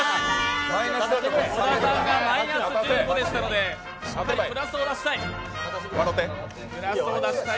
小田さんがマイナス１５でしたのでしっかりプラスを出したい。